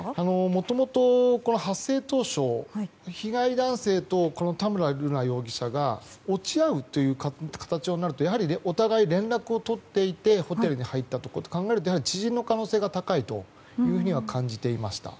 もともと発生当初被害男性と田村瑠奈容疑者が落ち合うという形になるとお互い連絡を取っていてホテルに入ったことを考えると知人の可能性が高いと感じてはいました。